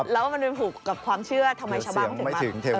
แล้วว่ามันมีมีผูกกับความเชื่อทำไมฉบั้งถึงไหม